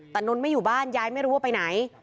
แต่นนท์ไม่อยู่บ้านยายไม่รู้ว่าไปไหน